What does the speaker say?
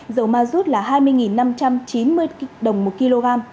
dầu mazut là hai mươi năm trăm chín mươi đồng một kg